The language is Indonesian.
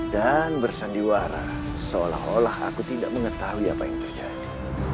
dan bersandiwara seolah olah aku tidak mengetahui apa yang terjadi